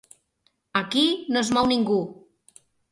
Aquí no es mou ningú.